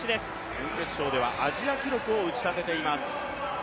準決勝ではアジア記録を打ち立てています。